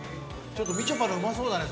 みちょぱのうまそうだね。